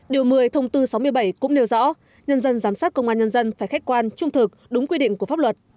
điều một mươi thông tư sáu mươi bảy cũng nêu rõ nhân dân giám sát công an nhân dân phải khách quan trung thực đúng quy định của pháp luật